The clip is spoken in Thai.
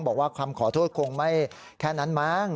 บอกว่าคำขอโทษคงไม่แค่นั้นมั้ง